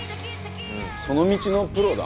その道のプロだ。